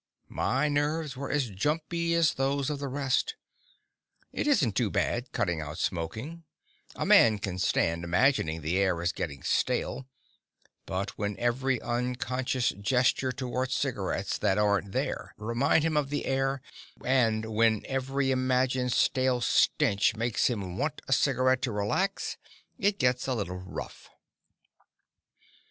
My nerves were as jumpy as those of the rest. It isn't too bad cutting out smoking; a man can stand imagining the air is getting stale; but when every unconscious gesture toward cigarettes that aren't there reminds him of the air, and when every imagined stale stench makes him want a cigarette to relax, it gets a little rough.